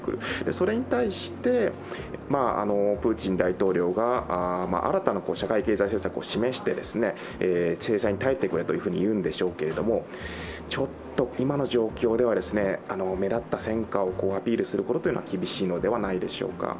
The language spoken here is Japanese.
それに対して、プーチン大統領が新たな社会経済政策を示して制裁に耐えてくれというふうに言うんでしょうけれども、ちょっと今の状況では目立った戦果をアピールするのは厳しいのではないでしょうか。